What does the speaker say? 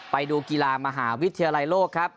ไปดูกีฬามหาวิทยาลัยโลกครับ